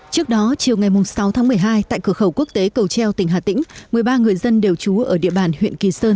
trước đó chiều ngày sáu tháng một mươi hai tại cửa khẩu quốc tế cầu treo tỉnh hà tĩnh một mươi ba người dân đều trú ở địa bàn huyện kỳ sơn